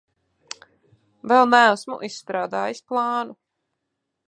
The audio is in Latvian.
Vēl neesmu izstrādājis plānu.